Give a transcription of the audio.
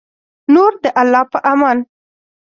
نور د الله په امان